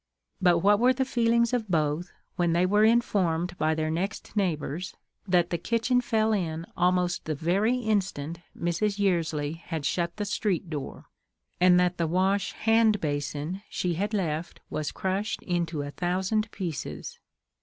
But what were the feelings of both, when they were informed by their next neighbours that the kitchen fell in almost the very instant Mrs. Yearsley had shut the street door, and that the wash hand basin she had left was crushed into a thousand pieces!